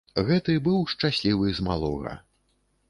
Гэты быў шчаслівы з малога.